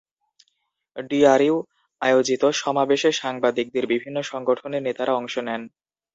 DRU আয়োজিত সমাবেশে সাংবাদিকদের বিভিন্ন সংগঠনের নেতারা অংশ নেন।